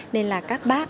nên là các bác